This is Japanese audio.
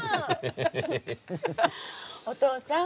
お父さん。